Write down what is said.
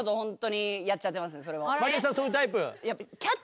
そういうタイプ？